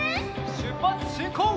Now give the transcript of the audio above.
しゅっぱつしんこう！